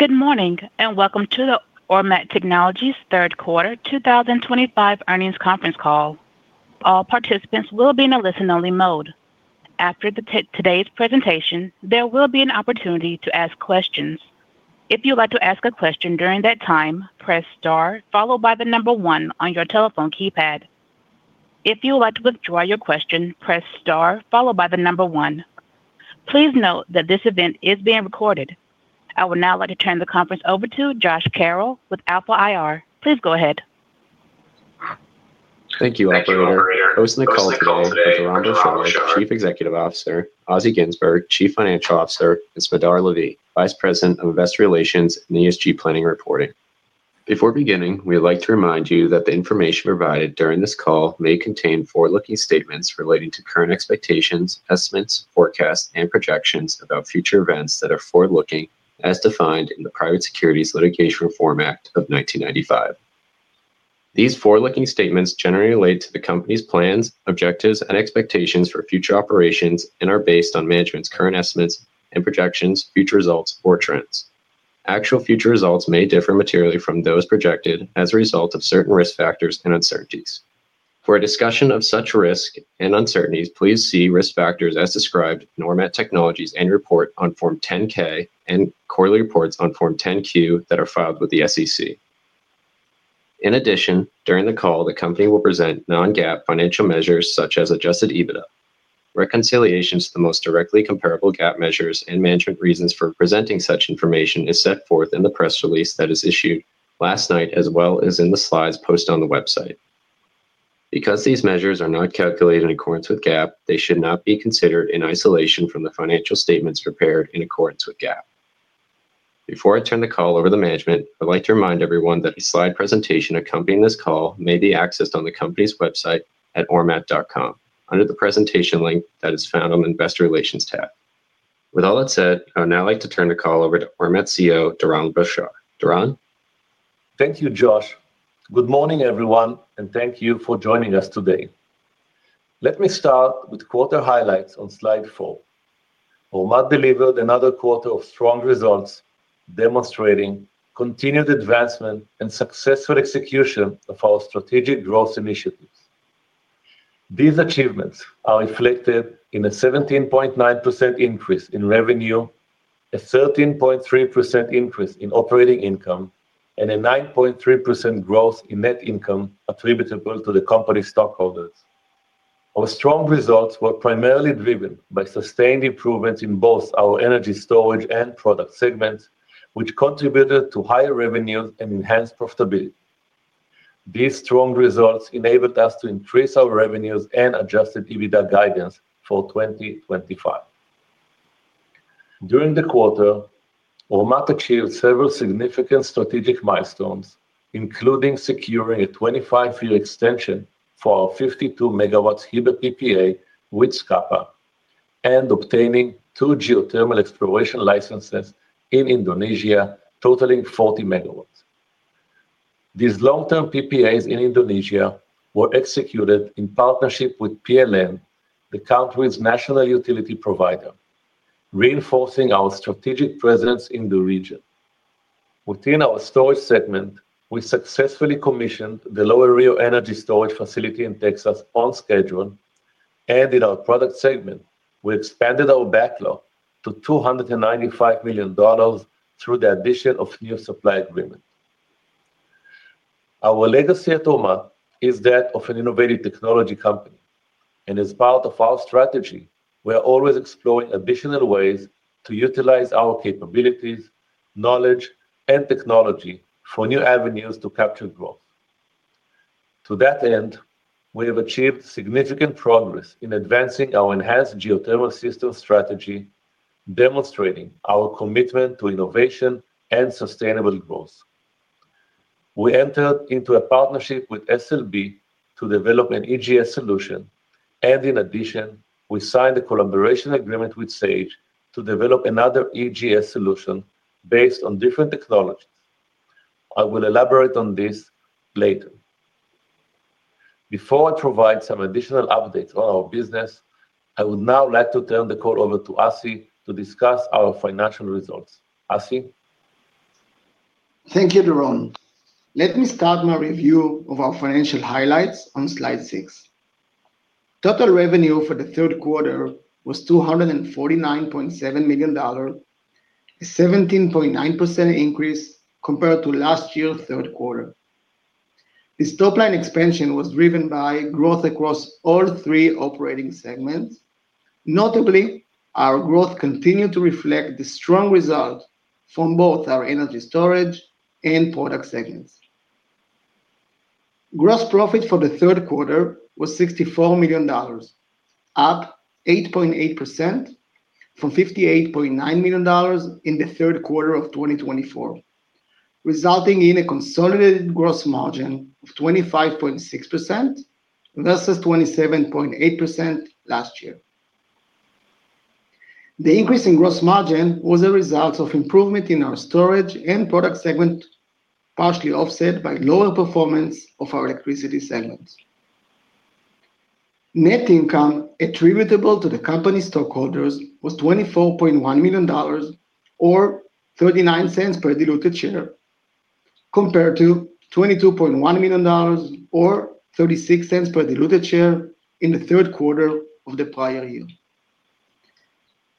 Good morning and welcome to the Ormat Technologies' Third Quarter 2025 earnings conference call. All participants will be in a listen-only mode. After today's presentation, there will be an opportunity to ask questions. If you would like to ask a question during that time, press star followed by the number one on your telephone keypad. If you would like to withdraw your question, press star followed by the number one. Please note that this event is being recorded. I will now like to turn the conference over to Josh Carroll with Alpha IR. Please go ahead. Thank you, Anthony. I was in the call today with Doron Blachar, Chief Executive Officer; Assi Ginzburg, Chief Financial Officer; and Smadar Lavi, Vice President of Investor Relations and ESG Planning and Reporting. Before beginning, we would like to remind you that the information provided during this call may contain forward-looking statements relating to current expectations, estimates, forecasts, and projections about future events that are forward-looking, as defined in the Private Securities Litigation Reform Act of 1995. These forward-looking statements generally relate to the company's plans, objectives, and expectations for future operations and are based on management's current estimates and projections, future results, or trends. Actual future results may differ materially from those projected as a result of certain risk factors and uncertainties. For a discussion of such risks and uncertainties, please see risk factors as described in Ormat Technologies' annual report on Form 10-K and quarterly reports on Form 10-Q that are filed with the SEC. In addition, during the call, the company will present non-GAAP financial measures such as adjusted EBITDA. Reconciliations to the most directly comparable GAAP measures and management reasons for presenting such information are set forth in the press release that is issued last night, as well as in the slides posted on the website. Because these measures are not calculated in accordance with GAAP, they should not be considered in isolation from the financial statements prepared in accordance with GAAP. Before I turn the call over to management, I would like to remind everyone that a slide presentation accompanying this call may be accessed on the company's website at ormat.com under the presentation link that is found on the investor relations tab. With all that said, I would now like to turn the call over to Ormat CEO, Doron Blachar. Doron? Thank you, Josh. Good morning, everyone, and thank you for joining us today. Let me start with quarter highlights on slide four. Ormat delivered another quarter of strong results demonstrating continued advancement and successful execution of our strategic growth initiatives. These achievements are reflected in a 17.9% increase in revenue, a 13.3% increase in operating income, and a 9.3% growth in net income attributable to the company's stockholders. Our strong results were primarily driven by sustained improvements in both our energy storage and product segments, which contributed to higher revenues and enhanced profitability. These strong results enabled us to increase our revenues and adjusted EBITDA guidance for 2025. During the quarter, Ormat achieved several significant strategic milestones, including securing a 25-year extension for our 52 MW Heber PPA with SCPPA and obtaining two geothermal exploration licenses in Indonesia, totaling 40 MW. These long-term PPAs in Indonesia were executed in partnership with PLN, the country's national utility provider, reinforcing our strategic presence in the region. Within our storage segment, we successfully commissioned the Lower Rio energy storage facility in Texas on schedule, and in our product segment, we expanded our backlog to $295 million through the addition of new supply agreements. Our legacy at Ormat is that of an innovative technology company, and as part of our strategy, we are always exploring additional ways to utilize our capabilities, knowledge, and technology for new avenues to capture growth. To that end, we have achieved significant progress in advancing our enhanced geothermal system strategy, demonstrating our commitment to innovation and sustainable growth. We entered into a partnership with SLB to develop an EGS solution, and in addition, we signed a collaboration agreement with Sage to develop another EGS solution based on different technologies. I will elaborate on this later. Before I provide some additional updates on our business, I would now like to turn the call over to Assi to discuss our financial results. Assi? Thank you, Doron. Let me start my review of our financial highlights on slide six. Total revenue for the third quarter was $249.7 million, a 17.9% increase compared to last year's third quarter. The top-line expansion was driven by growth across all three operating segments. Notably, our growth continued to reflect the strong result from both our energy storage and product segments. Gross profit for the third quarter was $64 million. Up 8.8%. From $58.9 million in the third quarter of 2024. Resulting in a consolidated gross margin of 25.6% versus 27.8% last year. The increase in gross margin was a result of improvement in our storage and product segment, partially offset by lower performance of our electricity segments. Net income attributable to the company's stockholders was $24.1 million, or $0.39 per diluted share. Compared to $22.1 million, or $0.36 per diluted share in the third quarter of the prior year.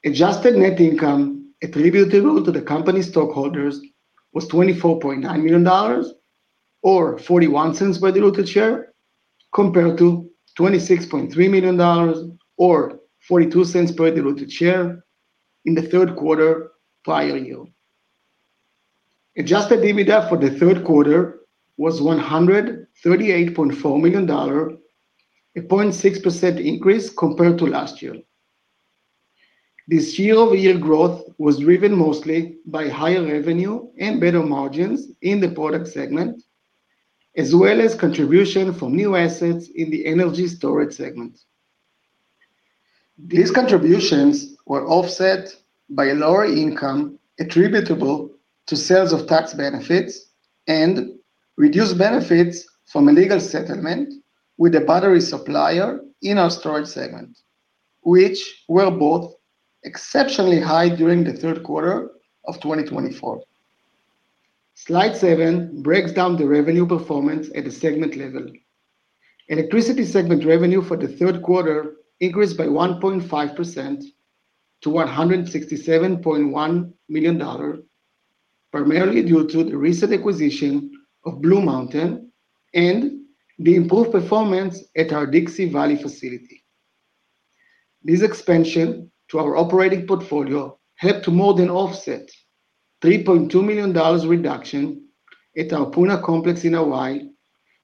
Adjusted net income attributable to the company's stockholders was $24.9 million, or $0.41 per diluted share, compared to $26.3 million, or $0.42 per diluted share in the third quarter prior year. Adjusted EBITDA for the third quarter was $138.4 million. A 0.6% increase compared to last year. This year-over-year growth was driven mostly by higher revenue and better margins in the product segment. As well as contribution from new assets in the energy storage segment. These contributions were offset by lower income attributable to sales of tax benefits and reduced benefits from a legal settlement with a battery supplier in our storage segment, which were both exceptionally high during the third quarter of 2024. Slide seven breaks down the revenue performance at the segment level. Electricity segment revenue for the third quarter increased by 1.5% to $167.1 million. Primarily due to the recent acquisition of Blue Mountain and the improved performance at our Dixie Valley facility. This expansion to our operating portfolio helped to more than offset a $3.2 million reduction at our Puna complex in Hawaii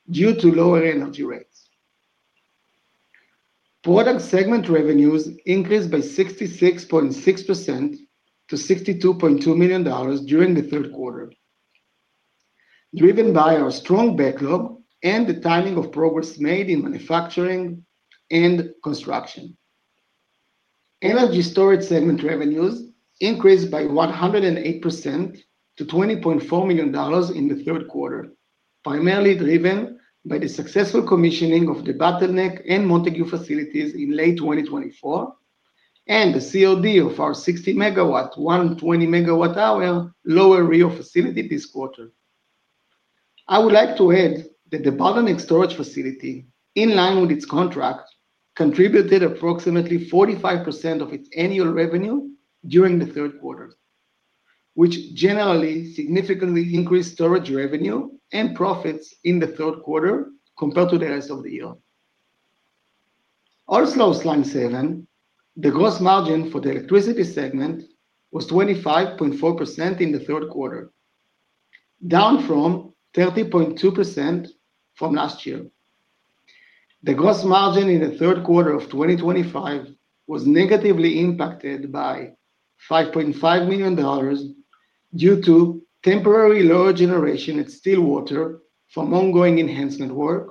due to lower energy rates. Product segment revenues increased by 66.6% to $62.2 million during the third quarter. Driven by our strong backlog and the timing of progress made in manufacturing and construction. Energy storage segment revenues increased by 108% to $20.4 million in the third quarter, primarily driven by the successful commissioning of the Bottleneck and Montague facilities in late 2024. And the COD of our 60 MW, 120 MWh Lower Rio facility this quarter. I would like to add that the Bottleneck storage facility, in line with its contract, contributed approximately 45% of its annual revenue during the third quarter, which generally significantly increased storage revenue and profits in the third quarter compared to the rest of the year. Also on slide seven, the gross margin for the electricity segment was 25.4% in the third quarter, down from 30.2% last year. The gross margin in the third quarter of 2025 was negatively impacted by $5.5 million due to temporary lower generation at Stillwater from ongoing enhancement work.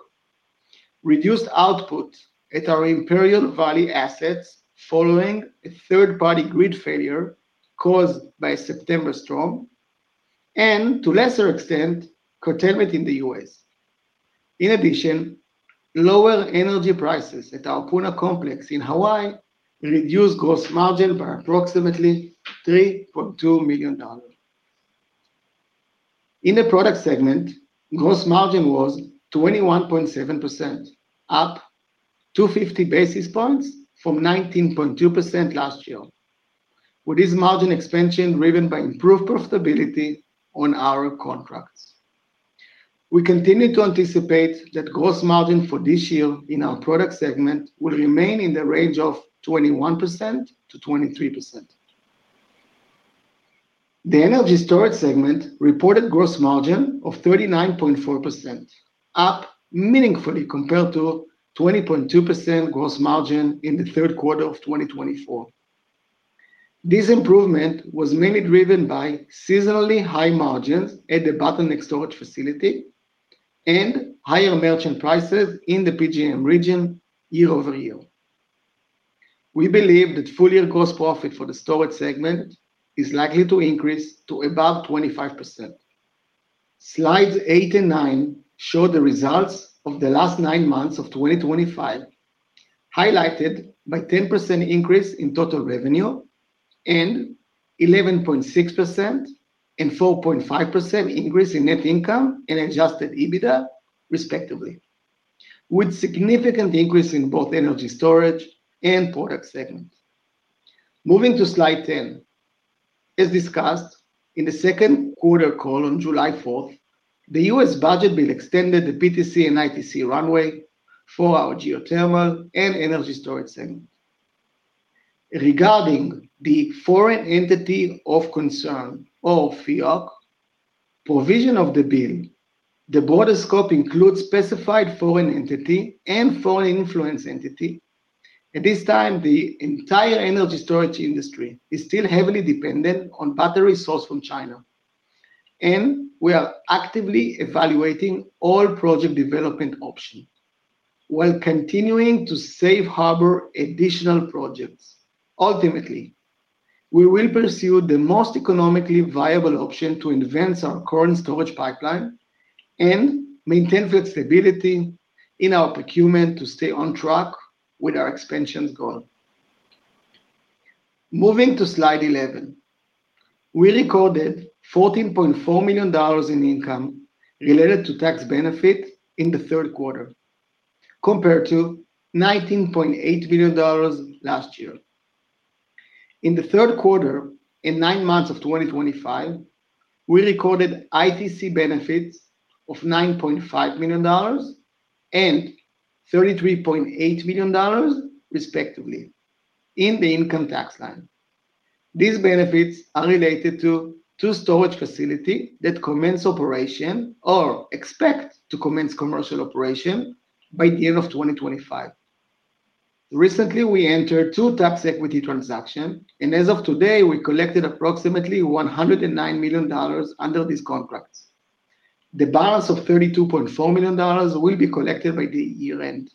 Reduced output at our Imperial Valley assets following a third-party grid failure caused by a September storm. And to a lesser extent, curtailment in the U.S. In addition, lower energy prices at our Puna complex in Hawaii reduced gross margin by approximately $3.2 million. In the product segment, gross margin was 21.7%, up 250 basis points from 19.2% last year, with this margin expansion driven by improved profitability on our contracts. We continue to anticipate that gross margin for this year in our product segment will remain in the range of 21%-23%. The energy storage segment reported gross margin of 39.4%, up meaningfully compared to 20.2% gross margin in the third quarter of 2024. This improvement was mainly driven by seasonally high margins at the Bottleneck storage facility and higher merchant prices in the PGM region year-over-year. We believe that full-year gross profit for the storage segment is likely to increase to above 25%. Slides eight and nine show the results of the last nine months of 2025, highlighted by a 10% increase in total revenue and 11.6% and 4.5% increase in net income and adjusted EBITDA, respectively, with significant increases in both energy storage and product segments. Moving to slide ten. As discussed in the second quarter call on July 4th, the U.S. budget bill extended the PTC and ITC runway for our geothermal and energy storage segment. Regarding the [Foreign Entities of Concern], or FEOC, provision of the bill, the broader scope includes specified foreign entity and foreign influence entity. At this time, the entire energy storage industry is still heavily dependent on battery sources from China. And we are actively evaluating all project development options while continuing to safe harbor additional projects. Ultimately, we will pursue the most economically viable option to advance our current storage pipeline and maintain flexibility in our procurement to stay on track with our expansion goal. Moving to slide 11. We recorded $14.4 million in income related to tax benefits in the third quarter, compared to $19.8 million last year. In the third quarter and nine months of 2025, we recorded ITC benefits of $9.5 million and $33.8 million, respectively, in the income tax line. These benefits are related to two storage facilities that commence operation or expect to commence commercial operation by the end of 2025. Recently, we entered two tax equity transactions, and as of today, we collected approximately $109 million under these contracts. The balance of $32.4 million will be collected by the year-end.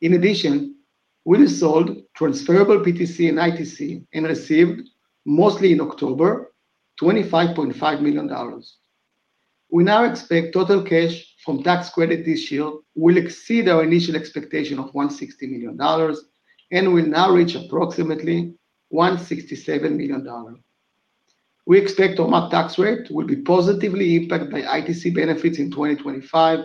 In addition, we sold transferable PTC and ITC and received mostly in October $25.5 million. We now expect total cash from tax credits this year will exceed our initial expectation of $160 million and will now reach approximately $167 million. We expect Ormat tax rate will be positively impacted by ITC benefits in 2025,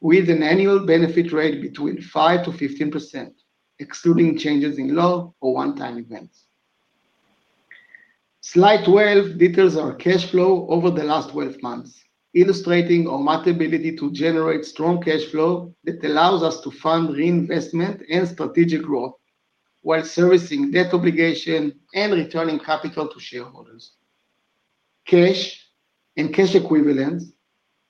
with an annual benefit rate between 5%-15%, excluding changes in law or one-time events. Slide 12 details our cash flow over the last 12 months, illustrating Ormat's ability to generate strong cash flow that allows us to fund reinvestment and strategic growth while servicing debt obligations and returning capital to shareholders. Cash and cash equivalents,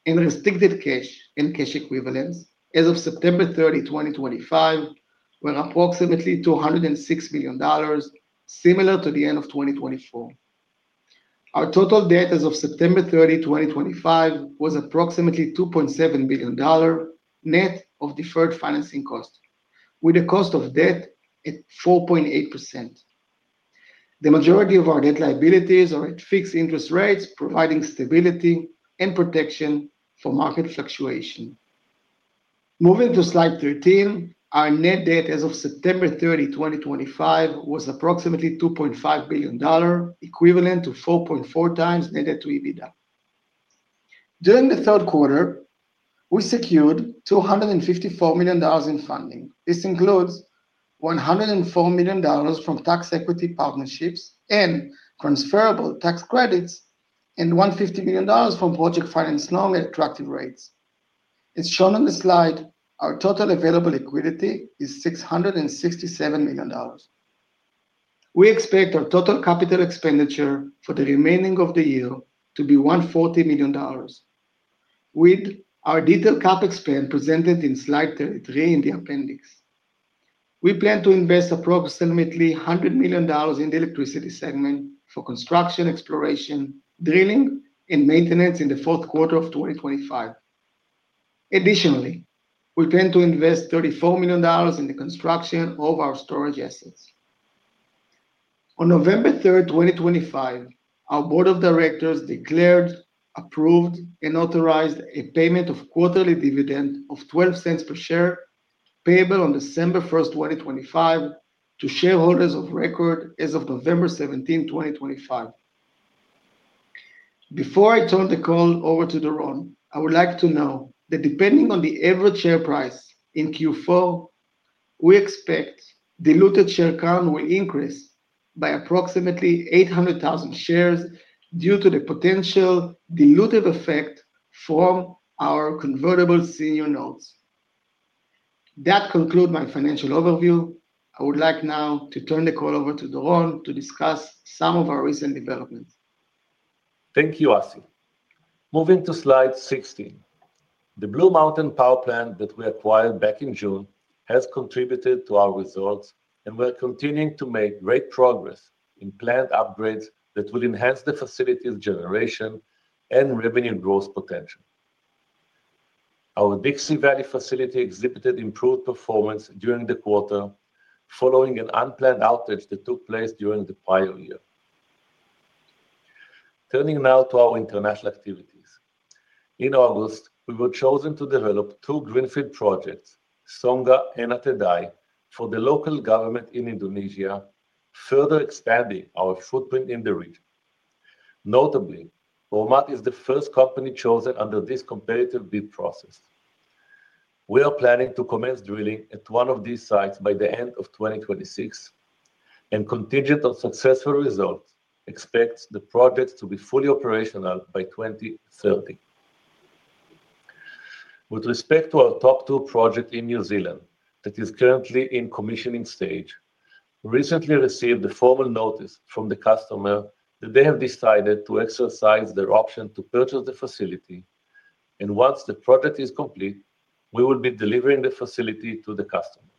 and restricted cash and cash equivalents, as of September 30, 2025, were approximately $206 million, similar to the end of 2024. Our total debt as of September 30, 2025, was approximately $2.7 billion, net of deferred financing costs, with a cost of debt at 4.8%. The majority of our debt liabilities are at fixed interest rates, providing stability and protection for market fluctuation. Moving to slide 13, our net debt as of September 30, 2025, was approximately $2.5 billion, equivalent to 4.4x net debt to EBITDA. During the third quarter, we secured $254 million in funding. This includes $104 million from tax equity partnerships and transferable tax credits, and $150 million from project finance loan at attractive rates. As shown on the slide, our total available liquidity is $667 million. We expect our total capital expenditure for the remaining of the year to be $140 million, with our detailed CapEx presented in slide 33 in the appendix. We plan to invest approximately $100 million in the electricity segment for construction, exploration, drilling, and maintenance in the fourth quarter of 2025. Additionally, we plan to invest $34 million in the construction of our storage assets. On November 3rd 2025, our Board of Directors declared, approved, and authorized a payment of quarterly dividend of $0.12 per share payable on December 1st 2025, to shareholders of record as of November 17th 2025. Before I turn the call over to Doron, I would like to note that depending on the average share price in Q4, we expect diluted share count will increase by approximately 800,000 shares due to the potential dilutive effect from our convertible senior notes. That concludes my financial overview. I would like now to turn the call over to Doron to discuss some of our recent developments. Thank you, Assi. Moving to slide 16. The Blue Mountain power plant that we acquired back in June has contributed to our results and we're continuing to make great progress in planned upgrades that will enhance the facility's generation and revenue growth potential. Our Dixie Valley facility exhibited improved performance during the quarter following an unplanned outage that took place during the prior year. Turning now to our international activities. In August, we were chosen to develop two greenfield projects, [Songa and Atadei], for the local government in Indonesia, further expanding our footprint in the region. Notably, Ormat is the first company chosen under this competitive bid process. We are planning to commence drilling at one of these sites by the end of 2026, and contingent on successful results, expect the projects to be fully operational by 2030. With respect to our Topp 2 projects in New Zealand that are currently in commissioning stage, we recently received a formal notice from the customer that they have decided to exercise their option to purchase the facility, and once the project is complete, we will be delivering the facility to the customer.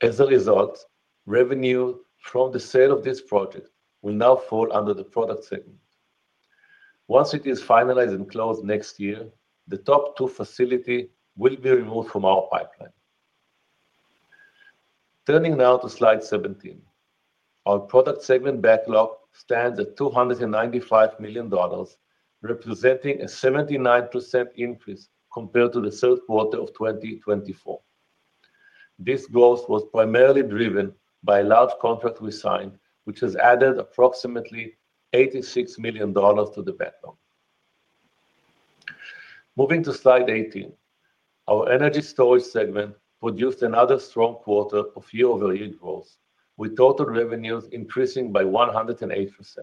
As a result, revenue from the sale of this project will now fall under the product segment. Once it is finalized and closed next year, the Topp 2 facilities will be removed from our pipeline. Turning now to slide 17. Our product segment backlog stands at $295 million, representing a 79% increase compared to the third quarter of 2024. This growth was primarily driven by a large contract we signed, which has added approximately $86 million to the backlog. Moving to slide 18, our energy storage segment produced another strong quarter of year-over-year growth, with total revenues increasing by 108%.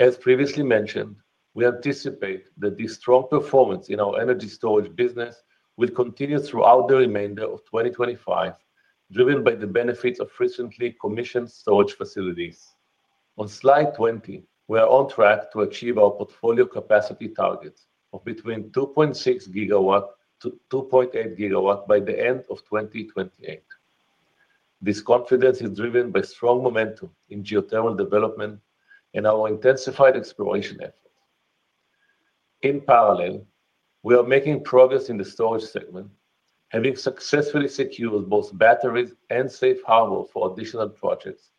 As previously mentioned, we anticipate that this strong performance in our energy storage business will continue throughout the remainder of 2025, driven by the benefits of recently commissioned storage facilities. On slide 20, we are on track to achieve our portfolio capacity targets of between 2.6 GW-2.8 GW by the end of 2028. This confidence is driven by strong momentum in geothermal development and our intensified exploration efforts. In parallel, we are making progress in the storage segment, having successfully secured both batteries and safe harbor for additional projects,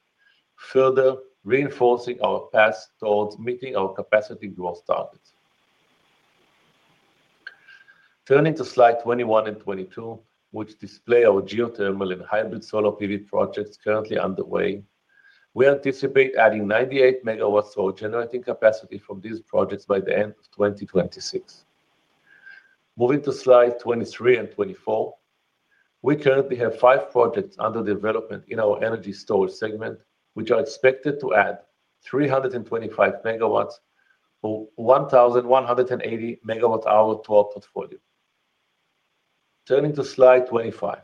further reinforcing our path towards meeting our capacity growth targets. Turning to slide 21 and 22, which display our geothermal and hybrid solar PV projects currently underway, we anticipate adding 98 MW of generating capacity from these projects by the end of 2026. Moving to slides 23 and 24. We currently have five projects under development in our energy storage segment, which are expected to add 325 MW or 1,180 MWh to our portfolio. Turning to slide 25.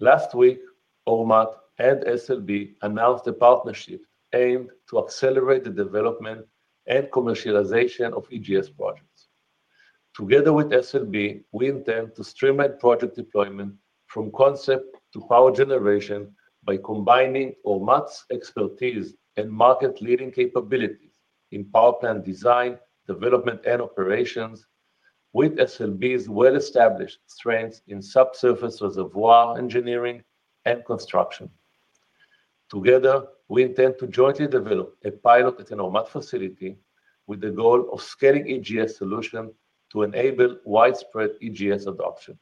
Last week, Ormat and SLB announced a partnership aimed to accelerate the development and commercialization of EGS projects. Together with SLB, we intend to streamline project deployment from concept to power generation by combining Ormat's expertise and market-leading capabilities in power plant design, development, and operations with SLB's well-established strengths in subsurface reservoir engineering and construction. Together, we intend to jointly develop a pilot at an Ormat facility with the goal of scaling EGS solutions to enable widespread EGS adoption.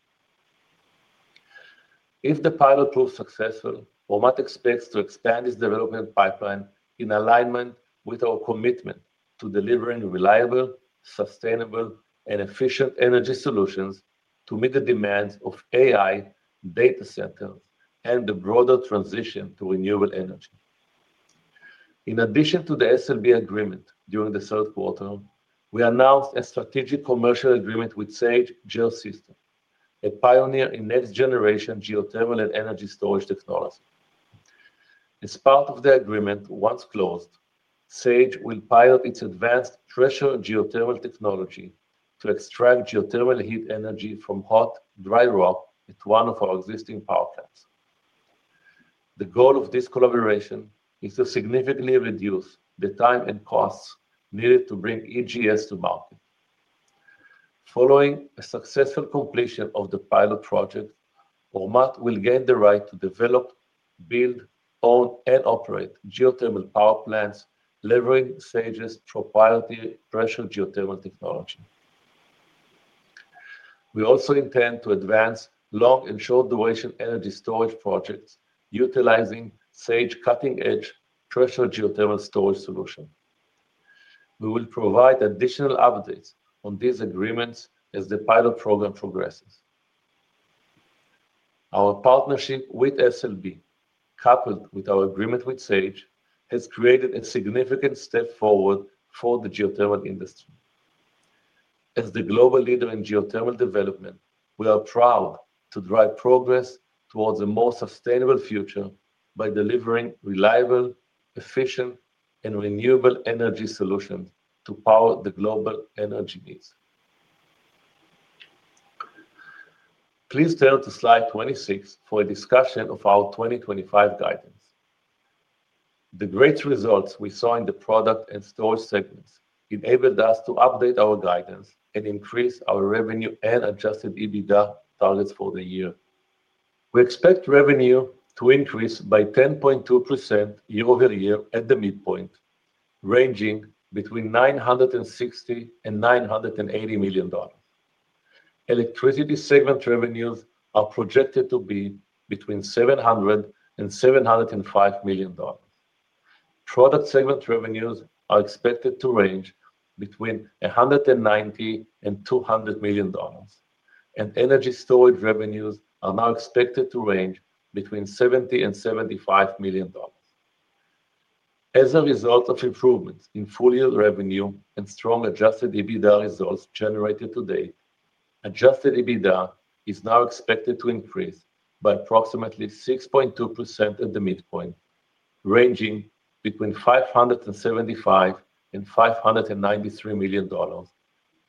If the pilot proves successful, Ormat expects to expand its development pipeline in alignment with our commitment to delivering reliable, sustainable, and efficient energy solutions to meet the demands of AI data centers and the broader transition to renewable energy. In addition to the SLB agreement during the third quarter, we announced a strategic commercial agreement with Sage Geosystems, a pioneer in next-generation geothermal and energy storage technology. As part of the agreement, once closed, Sage will pilot its advanced pressure geothermal technology to extract geothermal heat energy from hot, dry rock at one of our existing power plants. The goal of this collaboration is to significantly reduce the time and costs needed to bring EGS to market. Following a successful completion of the pilot project, Ormat will gain the right to develop, build, own, and operate geothermal power plants leveraging Sage's proprietary pressure geothermal technology. We also intend to advance long and short-duration energy storage projects utilizing Sage's cutting-edge pressure geothermal storage solution. We will provide additional updates on these agreements as the pilot program progresses. Our partnership with SLB, coupled with our agreement with Sage, has created a significant step forward for the geothermal industry. As the global leader in geothermal development, we are proud to drive progress towards a more sustainable future by delivering reliable, efficient, and renewable energy solutions to power the global energy needs. Please turn to slide 26 for a discussion of our 2025 guidance. The great results we saw in the product and storage segments enabled us to update our guidance and increase our revenue and adjusted EBITDA targets for the year. We expect revenue to increase by 10.2% year-over-year at the midpoint, ranging between $960 million-$980 million. Electricity segment revenues are projected to be between $700 million-$705 million. Product segment revenues are expected to range between $190 million-$200 million, and energy storage revenues are now expected to range between $70 million-$75 million. As a result of improvements in full-year revenue and strong adjusted EBITDA results generated to date, Adjusted EBITDA is now expected to increase by approximately 6.2% at the midpoint, ranging between $575 million-$593 million,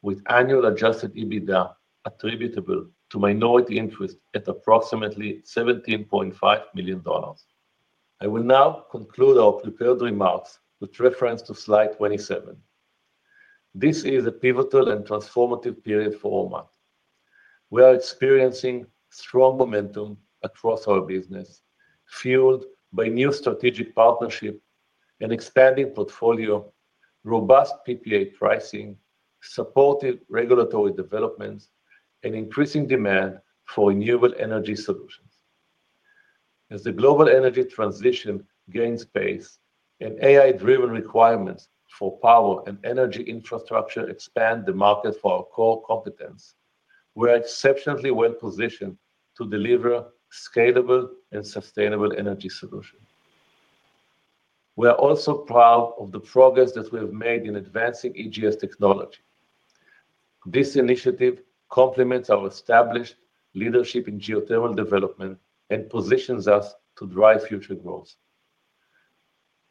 with annual adjusted EBITDA attributable to minority interest at approximately $17.5 million. I will now conclude our prepared remarks with reference to slide 27. This is a pivotal and transformative period for Ormat. We are experiencing strong momentum across our business. Fueled by new strategic partnerships and expanding portfolio, robust PPA pricing, supportive regulatory developments, and increasing demand for renewable energy solutions. As the global energy transition gains pace and AI-driven requirements for power and energy infrastructure expand the market for our core competence, we are exceptionally well-positioned to deliver scalable and sustainable energy solutions. We are also proud of the progress that we have made in advancing EGS technology. This initiative complements our established leadership in geothermal development and positions us to drive future growth.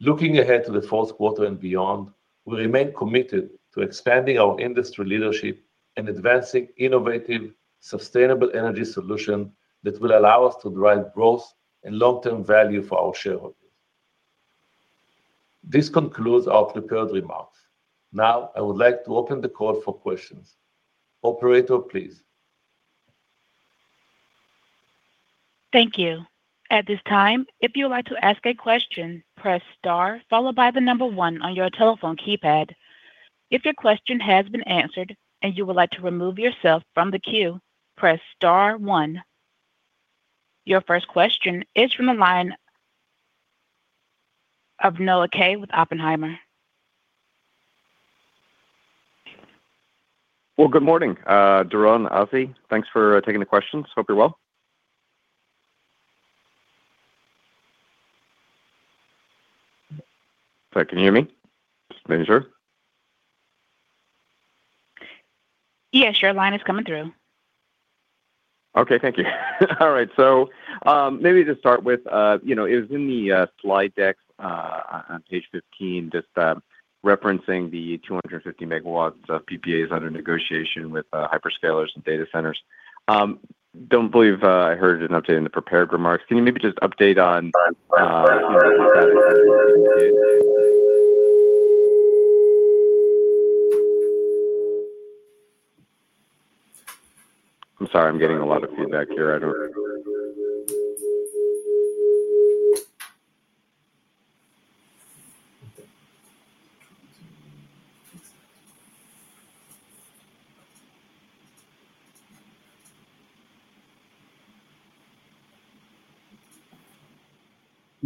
Looking ahead to the fourth quarter and beyond, we remain committed to expanding our industry leadership and advancing innovative, sustainable energy solutions that will allow us to drive growth and long-term value for our shareholders. This concludes our prepared remarks. Now, I would like to open the call for questions. Operator, please. Thank you. At this time, if you would like to ask a question, press star followed by the number one on your telephone keypad. If your question has been answered and you would like to remove yourself from the queue, press star one. Your first question is from the line of Noah Kaye with Oppenheimer. Well, good morning, Doron and Assi. Thanks for taking the questions. Hope you're well. Sorry, can you hear me? Just making sure. Yes, your line is coming through. Okay, thank you. All right, so maybe just start with, it was in the slide decks on page 15, just referencing the 250 MW of PPAs under negotiation with hyperscalers and data centers. Don't believe I heard an update in the prepared remarks. Can you maybe just update on. I'm sorry, I'm getting a lot of feedback here.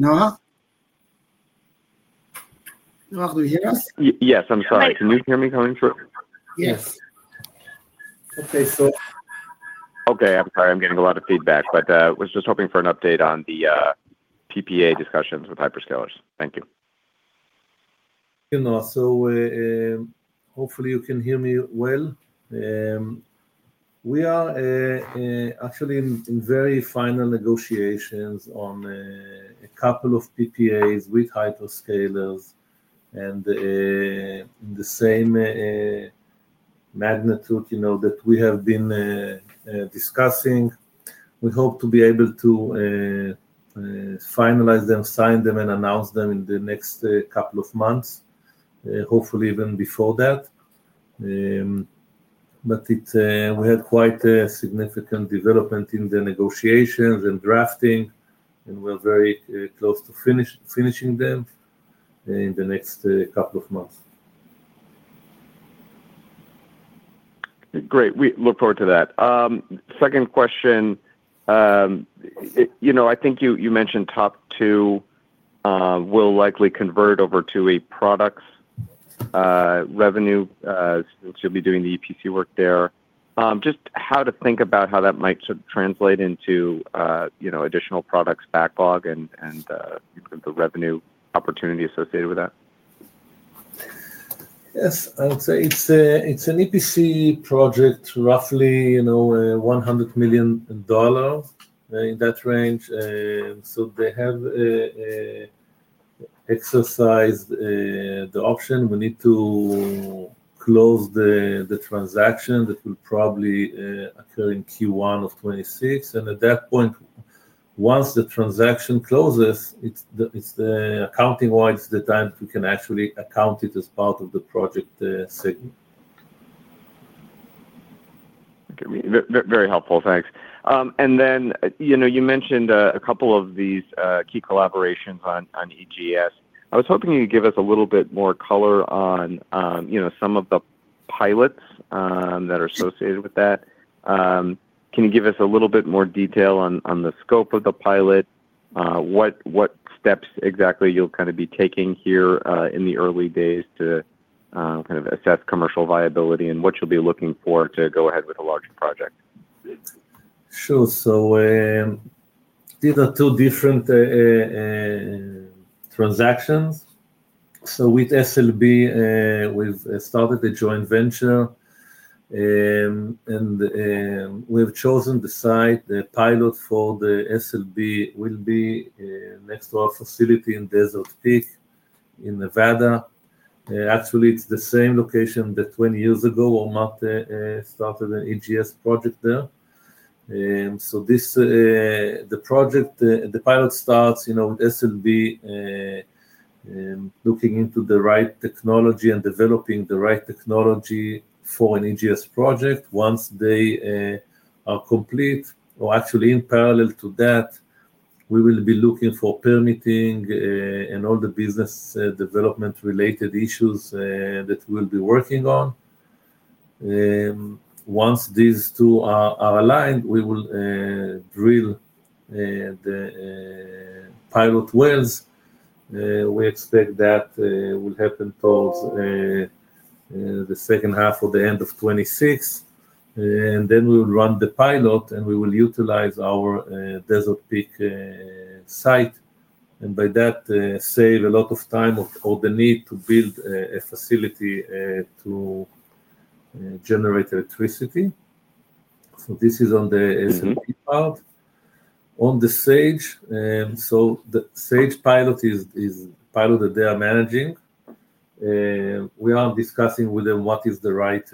Noah? Noah, can you hear us? Yes, I'm sorry. Can you hear me coming through? Yes. Okay, so. Okay, I'm sorry, I'm getting a lot of feedback, but I was just hoping for an update on the PPA discussions with hyperscalers. Thank you. Noah, so. Hopefully you can hear me well. We are. Actually in very final negotiations on. A couple of PPAs with hyperscalers and. In the same. Magnitude that we have been discussing. We hope to be able to finalize them, sign them, and announce them in the next couple of months, hopefully even before that. But we had quite significant development in the negotiations and drafting, and we're very close to finishing them. In the next couple of months. Great, we look forward to that. Second question. I think you mentioned Topp 2. Will likely convert over to a products revenue. Since you'll be doing the EPC work there. Just how to think about how that might translate into. Additional products backlog and the revenue opportunity associated with that. Yes, I would say it's an EPC project, roughly $100 million. In that range. So they have exercised the option. We need to. close the transaction that will probably occur in Q1 of 2026. And at that point. Once the transaction closes, accounting-wise, it's the time we can actually account it as part of the product segment. Very helpful, thanks. And then you mentioned a couple of these key collaborations on EGS. I was hoping you could give us a little bit more color on. Some of the pilots that are associated with that. Can you give us a little bit more detail on the scope of the pilot, what steps exactly you'll kind of be taking here in the early days to. Kind of assess commercial viability and what you'll be looking for to go ahead with a larger project? Sure, so. These are two different transactions. So with SLB, we've started a joint venture and we've chosen the site. The pilot for the SLB will be next to our facility in Desert Peak in Nevada. Actually, it's the same location that 20 years ago Ormat started an EGS project there. So, the pilot starts with SLB. Looking into the right technology and developing the right technology for an EGS project. Once they are complete, or actually in parallel to that. We will be looking for permitting and all the business development-related issues that we'll be working on. Once these two are aligned, we will drill the pilot wells. We expect that will happen towards the second half or the end of 2026. And then we will run the pilot, and we will utilize our Desert Peak site. And by that, save a lot of time or the need to build a facility to generate electricity. So this is on the SLB part. On the Sage, so the Sage pilot is the pilot that they are managing. We are discussing with them what is the right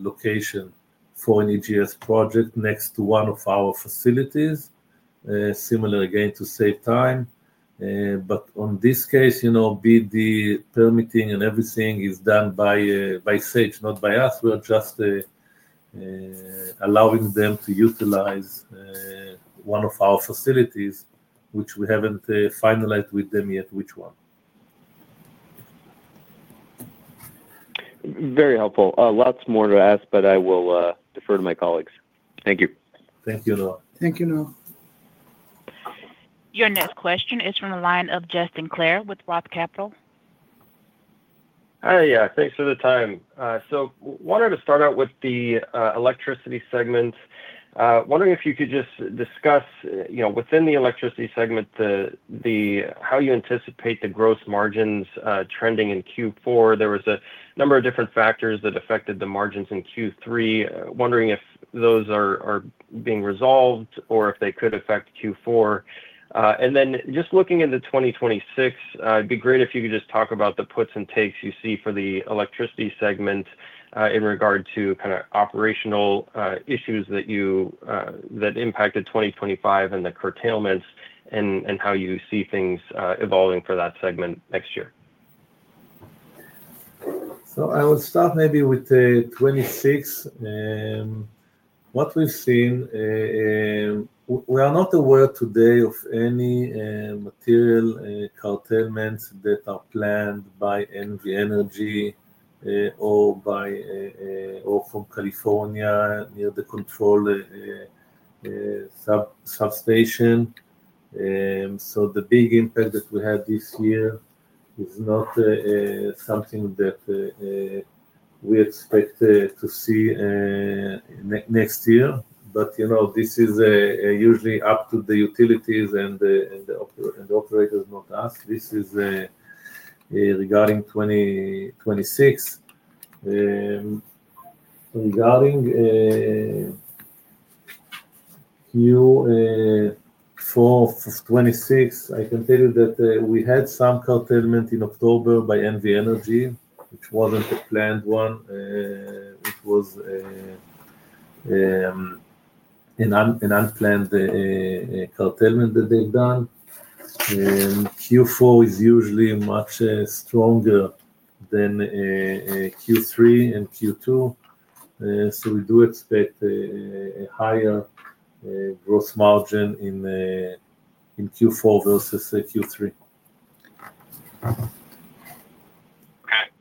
location for an EGS project next to one of our facilities. Similar again to save time. But on this case, be the permitting and everything is done by Sage, not by us. We're just allowing them to utilize one of our facilities, which we haven't finalized with them yet which one. Very helpful. Lots more to ask, but I will defer to my colleagues. Thank you. Thank you, Noah. Thank you, Noah. Your next question is from the line of Justin Clare with ROTH Capital. Hi, yeah, thanks for the time. So wanted to start out with the electricity segment. Wondering if you could just discuss within the electricity segment how you anticipate the gross margins trending in Q4. There was a number of different factors that affected the margins in Q3. Wondering if those are being resolved or if they could affect Q4. And then just looking into 2026, it'd be great if you could just talk about the puts and takes you see for the electricity segment in regard to kind of operational issues that impacted 2025 and the curtailments and how you see things evolving for that segment next year. So I will start maybe with the 2026. What we've seen. We are not aware today of any material curtailments that are planned by NV Energy or from California near the control substation. So the big impact that we had this year is not something that we expect to see next year. But this is usually up to the utilities and the operators, not us. This is regarding 2026. Regarding Q4 of 2026, I can tell you that we had some curtailment in October by NV Energy, which wasn't a planned one. It was an unplanned curtailment that they've done. Q4 is usually much stronger than Q3 and Q2. So we do expect a higher gross margin in Q4 versus Q3.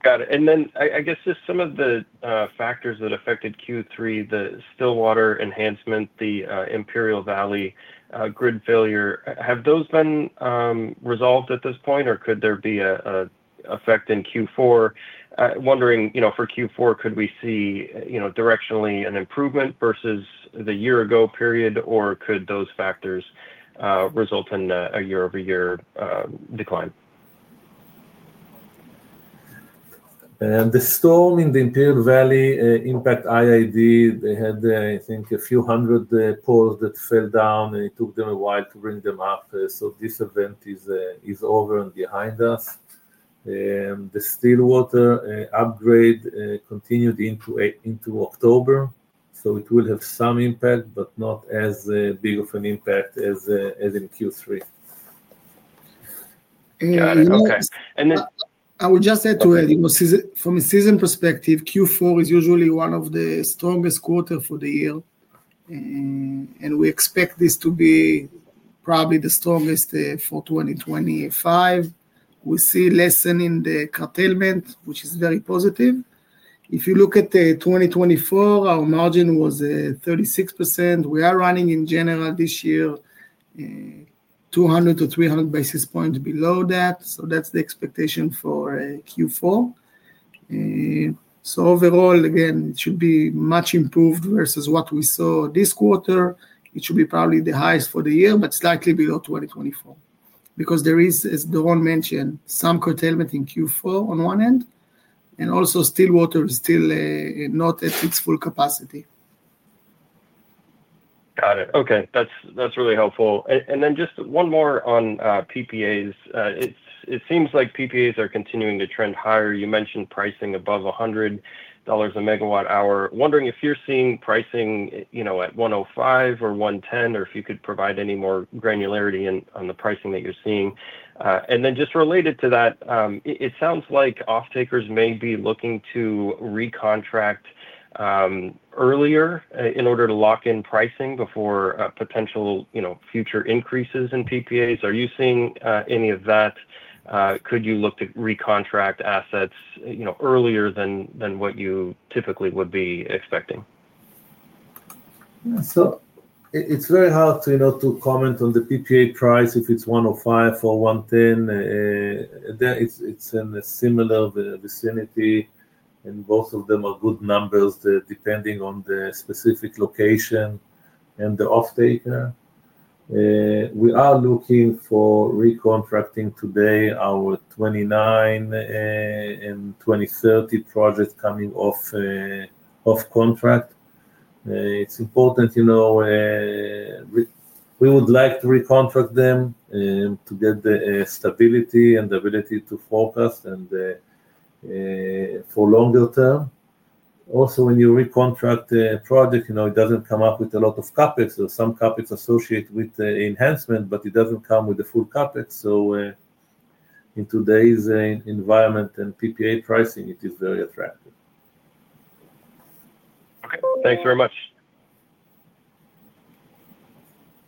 Got it. And then I guess just some of the factors that affected Q3, the Stillwater enhancement, the Imperial Valley grid failure, have those been resolved at this point, or could there be an effect in Q4? Wondering, for Q4, could we see directionally an improvement versus the year-ago period, or could those factors result in a year-over-year decline? The storm in the Imperial Valley impacted IID. They had, I think, a few hundred poles that fell down, and it took them a while to bring them up. So this event is over and behind us. The Stillwater upgrade continued into October. So it will have some impact, but not as big of an impact as in Q3. And then I would just add to it. From a seasonal perspective, Q4 is usually one of the strongest quarters for the year. And we expect this to be probably the strongest for 2025. We see lessening in the curtailment, which is very positive. If you look at 2024, our margin was 36%. We are running in general this year 200-300 basis points below that. So that's the expectation for Q4. So overall, again, it should be much improved versus what we saw this quarter. It should be probably the highest for the year, but slightly below 2024. Because there is, as Doron mentioned, some curtailment in Q4 on one end. And also, Stillwater is still not at its full capacity. Got it. Okay. That's really helpful. And then just one more on PPAs. It seems like PPAs are continuing to trend higher. You mentioned pricing above $100 a megawatt hour. Wondering if you're seeing pricing at $105 or $110, or if you could provide any more granularity on the pricing that you're seeing. And then just related to that. It sounds like off-takers may be looking to recontract earlier in order to lock in pricing before potential future increases in PPAs. Are you seeing any of that? Could you look to recontract assets earlier than what you typically would be expecting? So it's very hard to comment on the PPA price if it's $105 or $110. It's in a similar vicinity. And both of them are good numbers depending on the specific location and the off-taker. We are looking for recontracting today our 2029 and 2030 projects coming off contract. It's important. We would like to recontract them to get the stability and the ability to focus and for longer term. Also, when you recontract a project, it doesn't come up with a lot of CapEx. There's some CapEx associated with the enhancement, but it doesn't come with the full CapEx. So in today's environment and PPA pricing, it is very attractive. Okay. Thanks very much.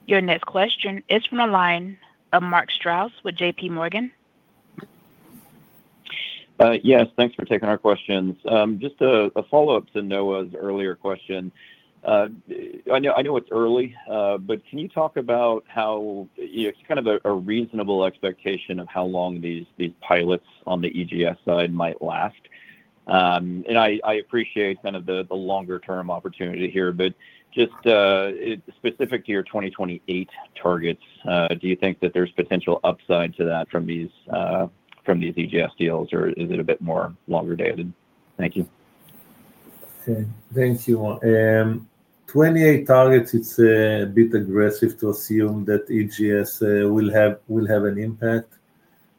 Your next question is from the line of Mark Strouse with JPMorgan. Yes. Thanks for taking our questions. Just a follow-up to Noah's earlier question. I know it's early, but can you talk about how it's kind of a reasonable expectation of how long these pilots on the EGS side might last? And I appreciate kind of the longer-term opportunity here, but just specific to your 2028 targets, do you think that there's potential upside to that from these EGS deals, or is it a bit more longer-dated? Thank you. Thank you. 2028 targets, it's a bit aggressive to assume that EGS will have an impact.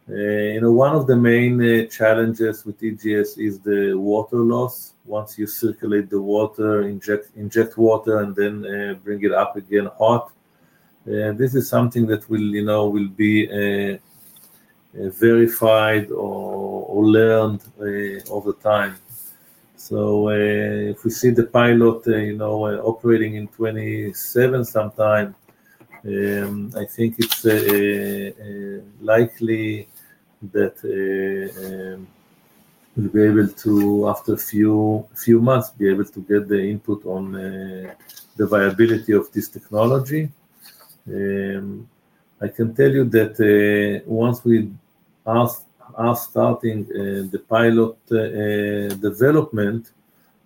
One of the main challenges with EGS is the water loss. Once you circulate the water, inject water, and then bring it up again hot. This is something that will be verified or learned over time. So if we see the pilot operating in 2027 sometime, I think it's likely that we'll be able to, after a few months, be able to get the input on the viability of this technology. I can tell you that once we are starting the pilot development,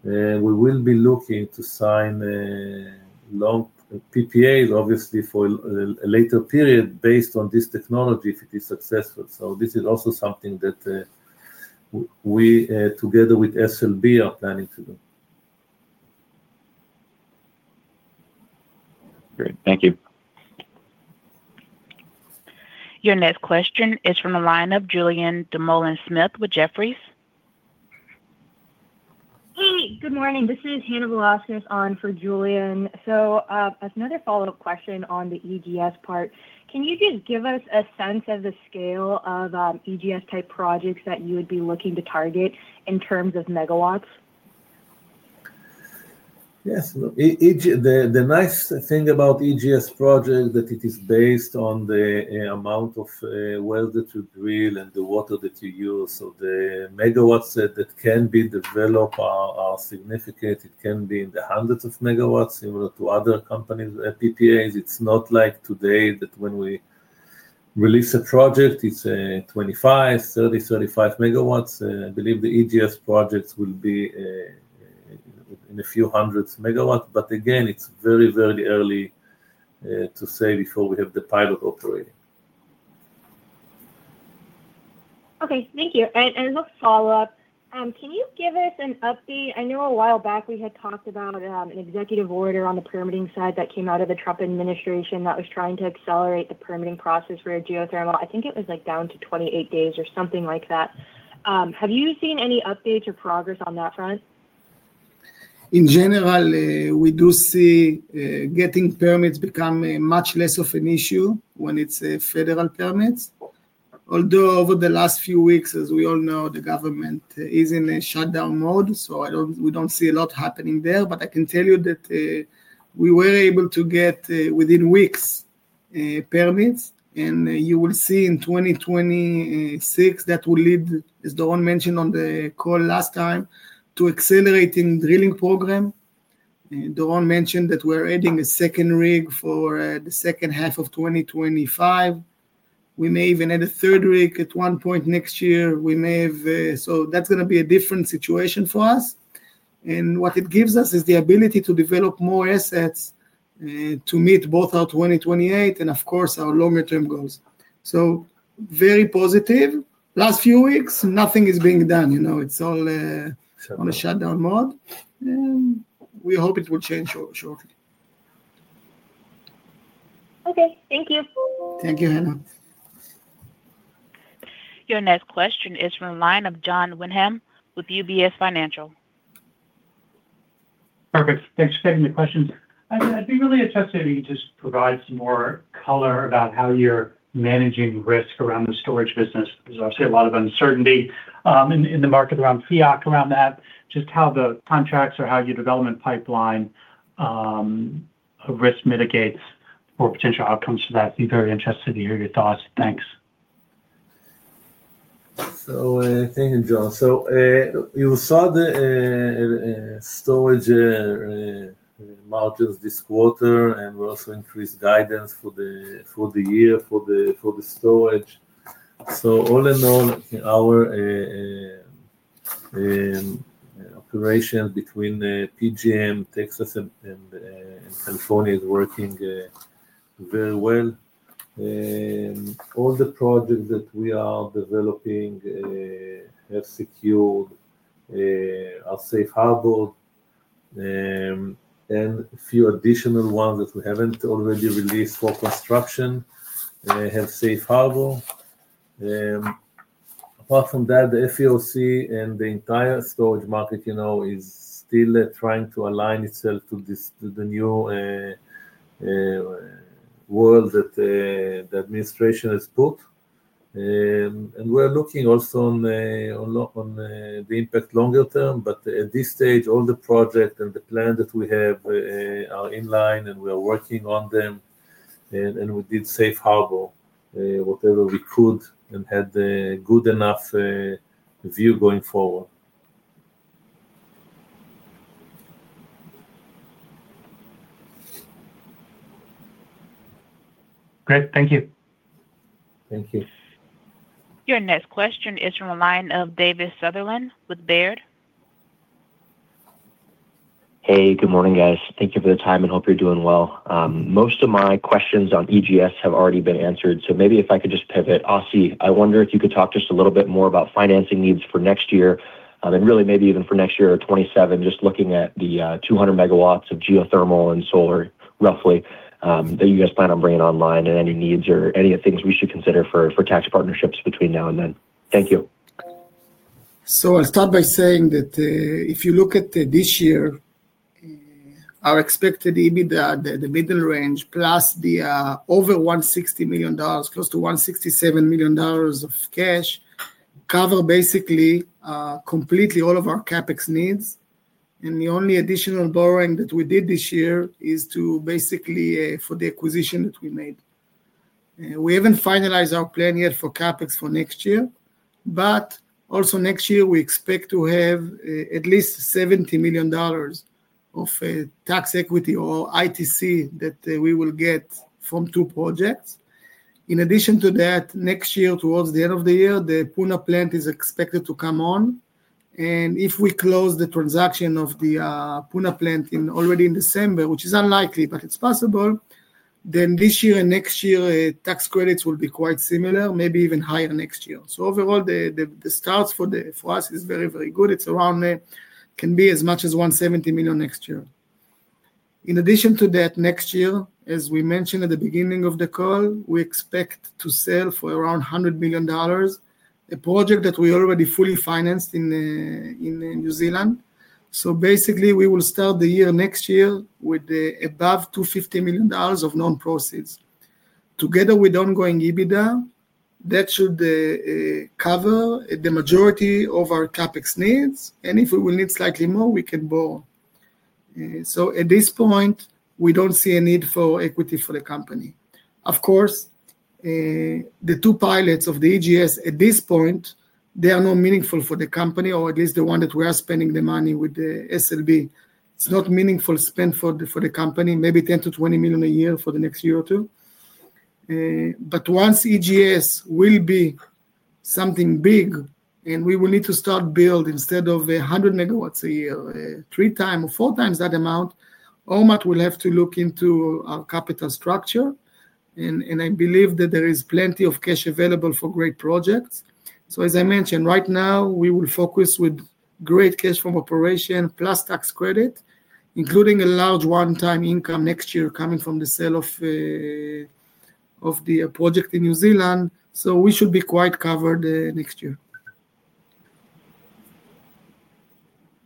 we will be looking to sign PPAs, obviously, for a later period based on this technology if it is successful. So this is also something that we, together with SLB, are planning to do. Great. Thank you. Your next question is from the line of Julien Dumoulin-Smith with Jefferies. Hey, good morning. This is Hannah Velásquez on for Julien. So as another follow-up question on the EGS part, can you just give us a sense of the scale of EGS-type projects that you would be looking to target in terms of megawatts? Yes. The nice thing about EGS projects is that it is based on the amount of wells that you drill and the water that you use. So the megawatts that can be developed are significant. It can be in the hundreds of megawatts, similar to other companies' PPAs. It's not like today that when we release a project, it's 25 MW, 30 MW, 35 MW. I believe the EGS projects will be in a few hundreds of megawatt. But again, it's very, very early to say before we have the pilot operating. Okay. Thank you. And as a follow-up, can you give us an update? I know a while back we had talked about an executive order on the permitting side that came out of the Trump administration that was trying to accelerate the permitting process for a geothermal. I think it was down to 28 days or something like that. Have you seen any updates or progress on that front? In general, we do see getting permits become much less of an issue when it's federal permits. Although over the last few weeks, as we all know, the government is in a shutdown mode, so we don't see a lot happening there. But I can tell you that we were able to get within weeks permits. And you will see in 2026 that will lead, as Doron mentioned on the call last time, to accelerating drilling program. Doron mentioned that we're adding a second rig for the second half of 2025. We may even add a third rig at one point next year. So that's going to be a different situation for us. And what it gives us is the ability to develop more assets to meet both our 2028 and, of course, our longer-term goals. So very positive. Last few weeks, nothing is being done. It's all on a shutdown mode. We hope it will change shortly. Okay. Thank you. Thank you, Hannah. Your next question is from the line of Jon Windham with UBS Financial. Perfect. Thanks for taking the questions. I'd be really interested if you could just provide some more color about how you're managing risk around the storage business. There's obviously a lot of uncertainty in the market around FEOC, around that, just how the contracts or how your development pipeline. Risk mitigates for potential outcomes. So I'd be very interested to hear your thoughts. Thanks. So thank you, Jon. So we saw the storage margins this quarter, and we also increased guidance for the year for the storage. So all in all, our operation between PGM, Texas, and California is working very well. All the projects that we are developing have secured our safe harbor. And a few additional ones that we haven't already released for construction have safe harbor. Apart from that, the FEOC and the entire storage market is still trying to align itself to the new world that the administration has put. And we're looking also on the impact longer term. But at this stage, all the projects and the plans that we have are in line, and we are working on them. And we did safe harbor whatever we could and had a good enough view going forward. Great. Thank you. Your next question is from the line of Davis Sunderland with Baird. Hey, good morning, guys. Thank you for the time, and hope you're doing well. Most of my questions on EGS have already been answered. So maybe if I could just pivot, Assi, I wonder if you could talk just a little bit more about financing needs for next year, and really maybe even for next year or 2027, just looking at the 200 MW of geothermal and solar, roughly, that you guys plan on bringing online and any needs or any things we should consider for tax partnerships between now and then. Thank you. So I'll start by saying that if you look at this year. Our expected EBITDA, the middle range, plus the over $160 million, close to $167 million of cash cover basically completely all of our CapEx needs. And the only additional borrowing that we did this year is basically for the acquisition that we made. We haven't finalized our plan yet for CapEx for next year. But also next year, we expect to have at least $70 million of tax equity or ITC that we will get from two projects. In addition to that, next year, towards the end of the year, the Puna plant is expected to come on. And if we close the transaction of the Puna plant already in December, which is unlikely, but it's possible, then this year and next year tax credits will be quite similar, maybe even higher next year. So overall, the start for us is very, very good. It can be as much as $170 million next year. In addition to that, next year, as we mentioned at the beginning of the call, we expect to sell for around $100 million. A project that we already fully financed in New Zealand. So basically, we will start the year next year with above $250 million of non-proceeds. Together with ongoing EBITDA, that should cover the majority of our CapEx needs. And if we will need slightly more, we can borrow. So at this point, we don't see a need for equity for the company. Of course, the two pilots of the EGS at this point, they are not meaningful for the company, or at least the one that we are spending the money with the SLB. It's not meaningful spend for the company, maybe [$10 million-$20 million] a year for the next year or two. But once EGS will be something big and we will need to start build instead of 100 MW a year, three times or four times that amount, Ormat will have to look into our capital structure. And I believe that there is plenty of cash available for great projects. So as I mentioned, right now, we will focus with great cash from operation plus tax credit, including a large one-time income next year coming from the sale of the project in New Zealand. So we should be quite covered next year.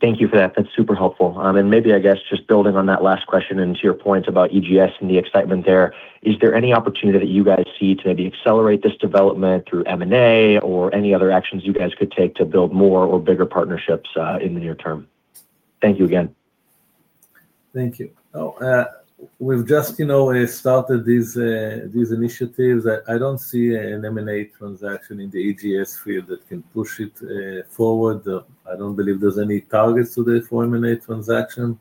Thank you for that. That's super helpful. And maybe, I guess, just building on that last question and to your point about EGS and the excitement there, is there any opportunity that you guys see to maybe accelerate this development through M&A or any other actions you guys could take to build more or bigger partnerships in the near term? Thank you again. Thank you. We've just started these initiatives. I don't see an M&A transaction in the EGS field that can push it forward. I don't believe there's any targets today for M&A transaction.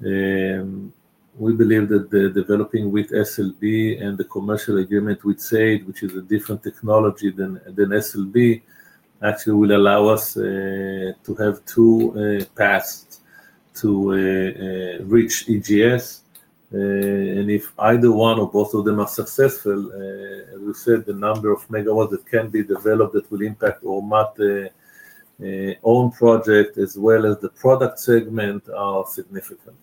We believe that developing with SLB and the commercial agreement with Sage, which is a different technology than SLB, actually will allow us to have two paths to reach EGS. And if either one or both of them are successful, we said the number of megawatt that can be developed that will impact Ormat's own project as well as the product segment are significant.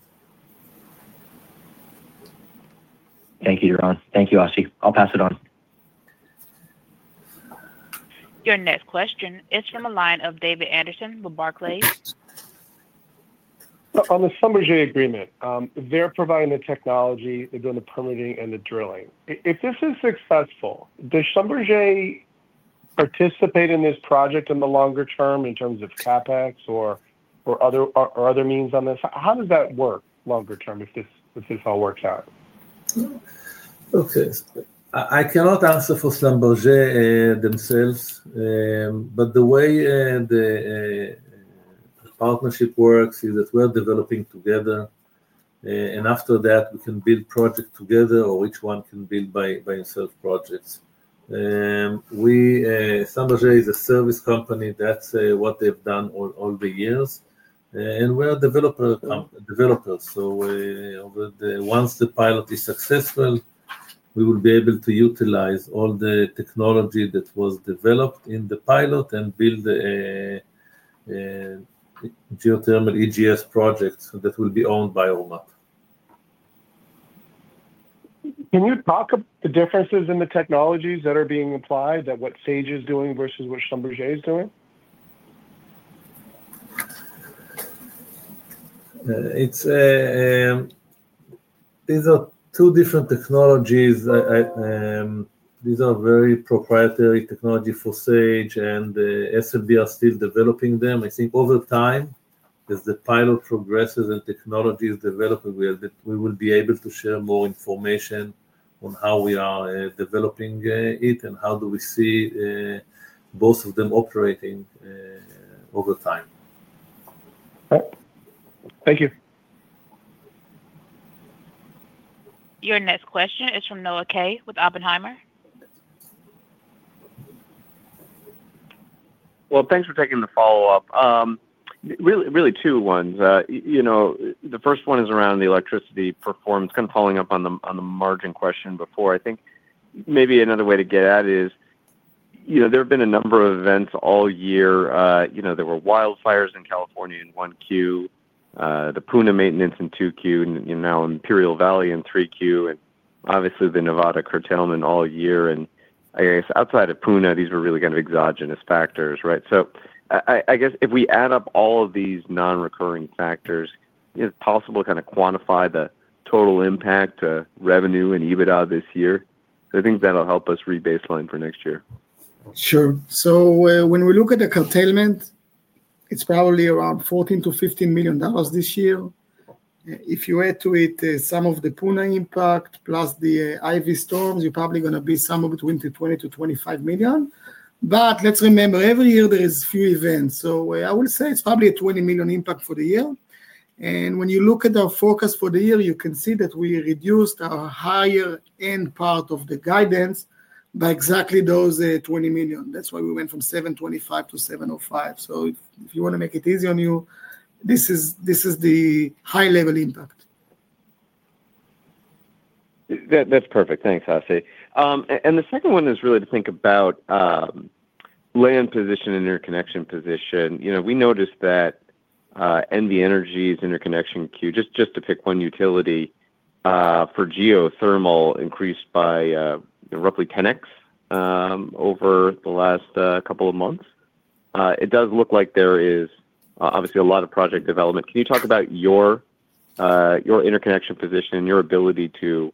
Thank you, Doron. Thank you, Assi. I'll pass it on. Your next question is from the line of David Anderson with Barclays. On the Schlumberger agreement, they're providing the technology. They're doing the permitting and the drilling. If this is successful, does Schlumberger participate in this project in the longer term in terms of CapEx or other means on this? How does that work longer term if this all works out? Okay. I cannot answer for Schlumberger themselves. But the way the partnership works is that we're developing together. And after that, we can build projects together or each one can build by themselves projects. Schlumberger is a service company. That's what they've done all the years. And we're developers. So once the pilot is successful, we will be able to utilize all the technology that was developed in the pilot and build geothermal EGS projects that will be owned by Ormat. Can you talk about the differences in the technologies that are being applied, what Sage is doing versus what Schlumberger is doing? These are two different technologies. These are very proprietary technologies for Sage, and SLB are still developing them. I think over time, as the pilot progresses and technology is developed, we will be able to share more information on how we are developing it and how we see both of them operating over time. Thank you. Your next question is from Noah Kaye with Oppenheimer. Well, thanks for taking the follow-up. Really two ones. The first one is around the electricity performance, kind of following up on the margin question before. I think maybe another way to get at it is there have been a number of events all year. There were wildfires in California in 1Q. The Puna maintenance in 2Q, and now Imperial Valley in 3Q, and obviously the Nevada curtailment all year. And I guess outside of Puna, these were really kind of exogenous factors, right? So I guess if we add up all of these non-recurring factors, it's possible to kind of quantify the total impact to revenue and EBITDA this year. I think that'll help us re-baseline for next year. Sure. So when we look at the curtailment, it's probably around $14 million-$15 million this year. If you add to it some of the Puna impact plus the Ivy storms, you're probably going to be somewhere between $20 million-$25 million. But let's remember, every year there are a few events. So I will say it's probably a $20 million impact for the year. And when you look at our focus for the year, you can see that we reduced our higher-end part of the guidance by exactly those $20 million. That's why we went from [$725 million to $705 million]. So if you want to make it easy on you, this is the high-level impact. That's perfect. Thanks, Assi. And the second one is really to think about land position and interconnection position. We noticed that NV Energy's interconnection queue, just to pick one utility, for geothermal, increased by roughly 10x over the last couple of months. It does look like there is obviously a lot of project development. Can you talk about your interconnection position and your ability to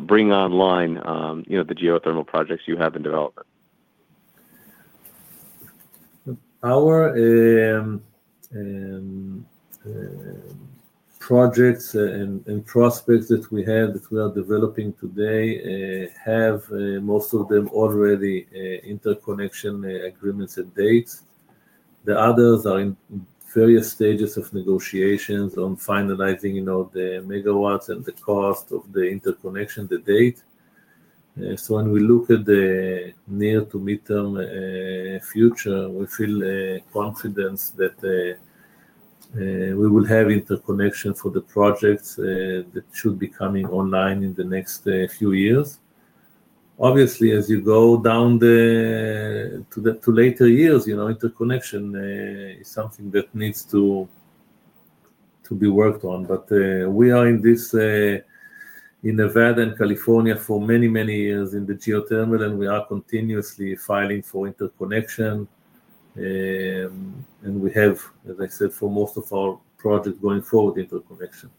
bring online the geothermal projects you have in development? Our projects and prospects that we have that we are developing today have most of them already interconnection agreements and dates. The others are in various stages of negotiations on finalizing the megawatts and the cost of the interconnection, the date. So when we look at the near to midterm future, we feel confident that. We will have interconnection for the projects that should be coming online in the next few years. Obviously, as you go down to later years, interconnection is something that needs to be worked on. But we are in Nevada and California for many, many years in the geothermal, and we are continuously filing for interconnection. And we have, as I said, for most of our projects going forward, interconnection.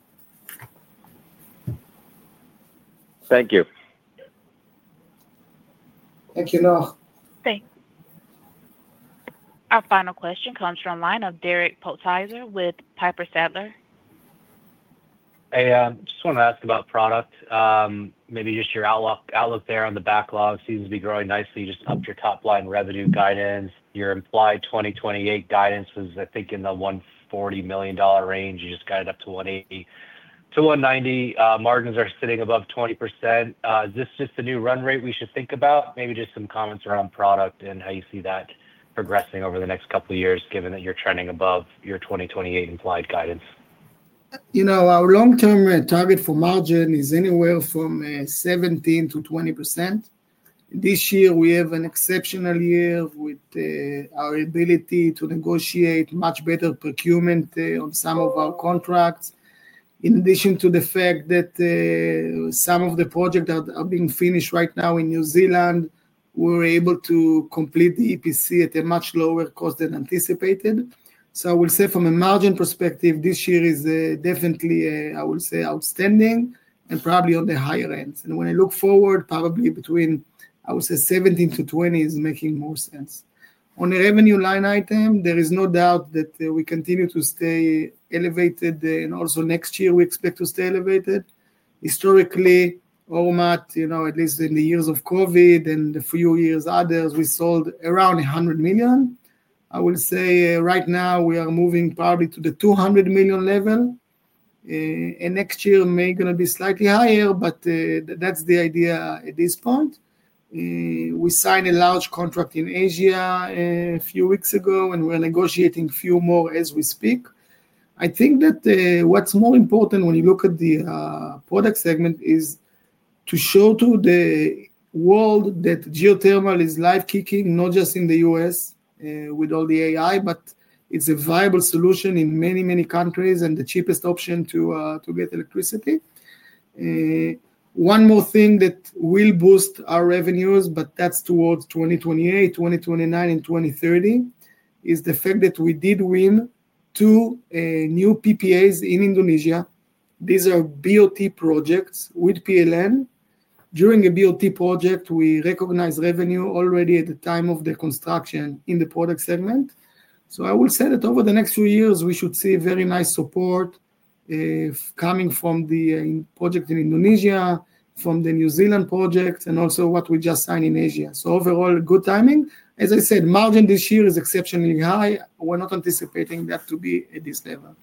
Thank you. Thank you, Noah. Thanks. Our final question comes from line of Derek Podhaizer with Piper Sandler. I just want to ask about product. Maybe just your outlook there on the backlog seems to be growing nicely. You just upped your top-line revenue guidance. Your implied 2028 guidance was, I think, in the $140 million range. You just got it up to [$180 million-$190 million]. Margins are sitting above 20%. Is this just the new run rate we should think about? Maybe just some comments around product and how you see that progressing over the next couple of years, given that you're trending above your 2028 implied guidance. Our long-term target for margin is anywhere from 17%-20%. This year, we have an exceptional year with our ability to negotiate much better procurement on some of our contracts. In addition to the fact that some of the projects are being finished right now in New Zealand, we were able to complete the EPC at a much lower cost than anticipated. So I will say from a margin perspective, this year is definitely, I will say, outstanding and probably on the higher end. And when I look forward, probably between, I would say, 17%-20% is making more sense. On the revenue line item, there is no doubt that we continue to stay elevated, and also next year, we expect to stay elevated. Historically, Ormat, at least in the years of COVID and the few years after, we sold around $100 million. I will say right now, we are moving probably to the $200 million level. And next year may be going to be slightly higher, but that's the idea at this point. We signed a large contract in Asia a few weeks ago, and we are negotiating a few more as we speak. I think that what's more important when you look at the product segment is to show to the world that geothermal is alive and kicking, not just in the U.S. with all the AI, but it's a viable solution in many, many countries and the cheapest option to get electricity. One more thing that will boost our revenues, but that's towards 2028, 2029, and 2030, is the fact that we did win two new PPAs in Indonesia. These are BOT projects with PLN. During a BOT project, we recognize revenue already at the time of the construction in the product segment. So I will say that over the next few years, we should see very nice support. Coming from the project in Indonesia, from the New Zealand projects, and also what we just signed in Asia. So overall, good timing. As I said, margin this year is exceptionally high. We're not anticipating that to be at this level.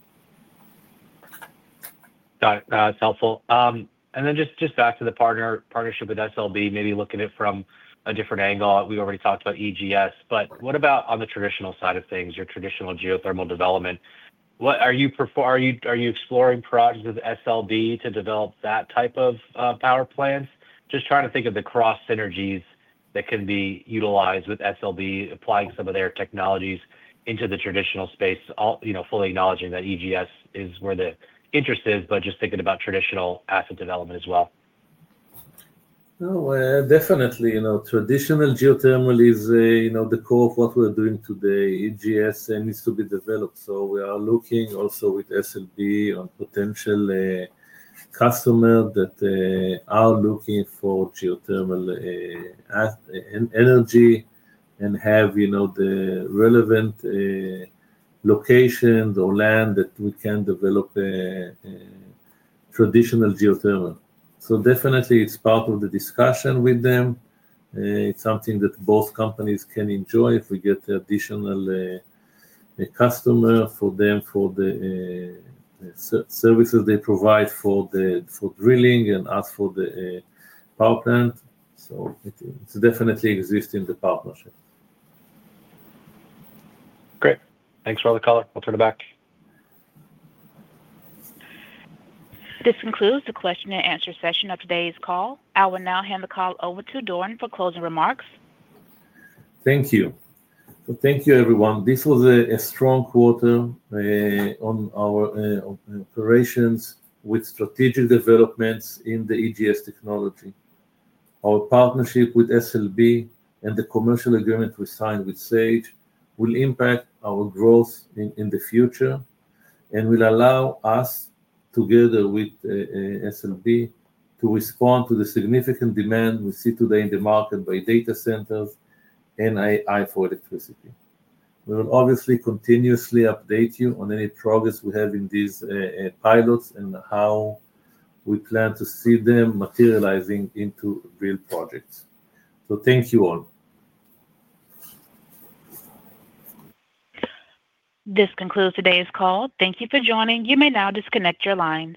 That's helpful. And then just back to the partnership with SLB, maybe look at it from a different angle. We already talked about EGS, but what about on the traditional side of things, your traditional geothermal development? Are you exploring projects with SLB to develop that type of power plants? Just trying to think of the cross synergies that can be utilized with SLB, applying some of their technologies into the traditional space, fully acknowledging that EGS is where the interest is, but just thinking about traditional asset development as well. Definitely. Traditional geothermal is the core of what we're doing today. EGS needs to be developed. So we are looking also with SLB on potential customers that are looking for geothermal energy and have the relevant locations or land that we can develop traditional geothermal. So definitely, it's part of the discussion with them. It's something that both companies can enjoy if we get additional customers for them for the services they provide for drilling and ask for the power plant. So it's definitely existing in the partnership. Great. Thanks for all the color. Will turn it back. This concludes the question and answer session of today's call. I will now hand the call over to Doron for closing remarks. Thank you. So thank you, everyone. This was a strong quarter on our operations with strategic developments in the EGS technology. Our partnership with SLB and the commercial agreement we signed with Sage will impact our growth in the future and will allow us, together with SLB, to respond to the significant demand we see today in the market by data centers and AI for electricity. We will obviously continuously update you on any progress we have in these pilots and how we plan to see them materializing into real projects. So thank you all. This concludes today's call. Thank you for joining. You may now disconnect your line.